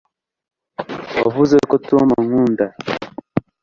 wavuze ko tom ankunda